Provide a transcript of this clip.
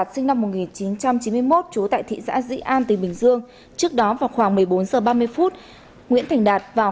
xin chào và hẹn gặp lại